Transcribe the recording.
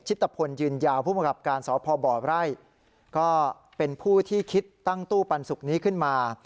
ตะพลยืนยาวผู้บังคับการสพบไร่ก็เป็นผู้ที่คิดตั้งตู้ปันสุกนี้ขึ้นมา